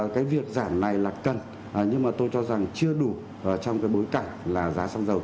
cái việc giảm này là cần nhưng mà tôi cho rằng chưa đủ trong cái bối cảnh là giá xăng dầu